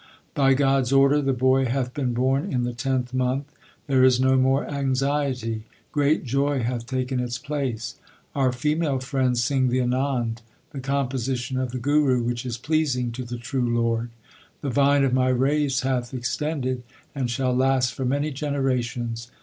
By God s order the boy hath been born in the tenth month. There is no more anxiety ; great joy hath taken its place. Our female friends sing the Anand, the composition of the Guru, 1 Which is pleasing to the true Lord. The vine of my race hath extended and shall last for many generations.